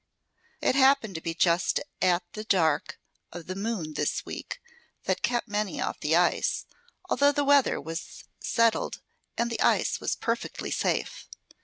It happened to be just at the dark of the moon this week; that kept many off the ice, although the weather was settled and the ice was perfectly safe.